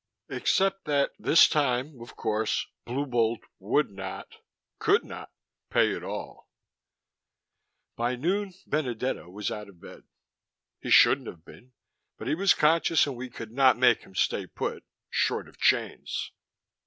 Except that this time, of course, Blue Bolt would not, could not, pay at all. By noon, Benedetto was out of bed. He shouldn't have been, but he was conscious and we could not make him stay put short of chains.